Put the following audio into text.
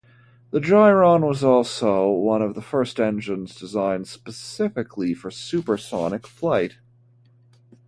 The Gyron was also one of the first engines designed specifically for supersonic flight.